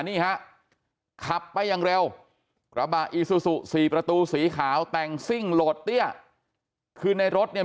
นี่ฮะขับไปอย่างเร็วกระบะอีซูซูสี่ประตูสีขาวแต่งซิ่งโหลดเตี้ยคือในรถเนี่ย